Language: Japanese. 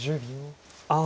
ああ。